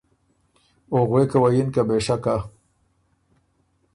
او غوېکه وه یِن که ”بې شکه“